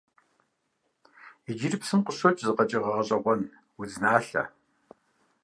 Иджыри псым къыщокӀ зы къэкӀыгъэ гъэщӀэгъуэн - удзналъэ.